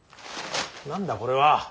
何だこれは。